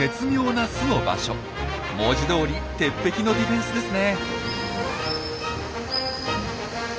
文字どおり鉄壁のディフェンスですね。